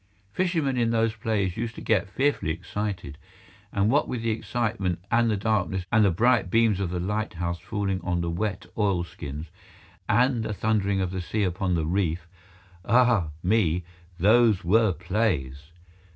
Fishermen in those plays used to get fearfully excited; and what with the excitement and the darkness and the bright beams of the lighthouse falling on the wet oilskins, and the thundering of the sea upon the reef—ah! me, those were plays!